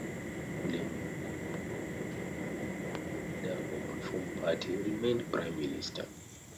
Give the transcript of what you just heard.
William Massey, the leader of the Reform Party, remained Prime Minister.